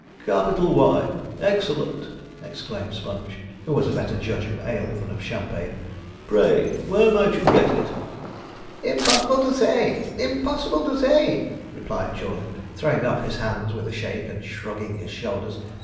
'Capital wine! Excellent!' exclaimed Sponge, who was a better judge of ale than of champagne. 'Pray, where might you get it?' 'Impossible to say! Impossible to say!' replied Jawleyford, throwing up his hands with a shake, and shrugging his shoulders.